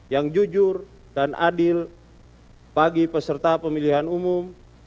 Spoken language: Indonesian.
yang jujur dan adil bagi peserta pemilihan umum